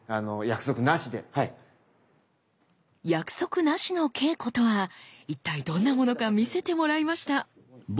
約束なしの稽古とは一体どんなものか見せてもらいました。